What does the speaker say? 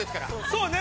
◆そうね。